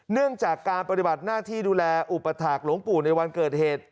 เนื่องจากการปฏิบัติหน้าที่ดูแลอุปถาคหลวงปู่ในวันเกิดเหตุ